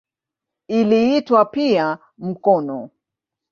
Iliitwa pia "mkono".